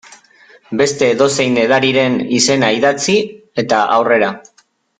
Beste edozein edariren izena idatzi, eta aurrera.